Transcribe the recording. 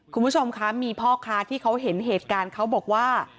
คุณผู้ชมคะมีพ่อค้าที่เขาเห็นเหตุการณ์เขาบอกว่า